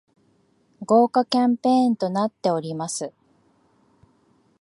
豪華キャンペーンとなっております